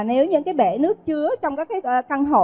nếu những cái bể nước chứa trong các căn hộ